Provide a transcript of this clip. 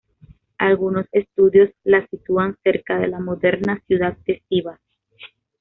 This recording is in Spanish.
Algunos estudios la sitúan cerca de la moderna ciudad de Sivas.